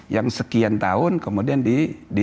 yang sekian tahun kemudian di